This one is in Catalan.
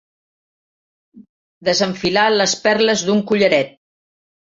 Desenfilar les perles d'un collaret.